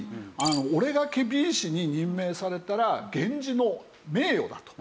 俺が検非違使に任命されたら源氏の名誉だと。